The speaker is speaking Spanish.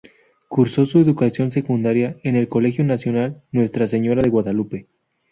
Cursó su educación secundaria en el Colegio Nacional Nuestra Señora de Guadalupe.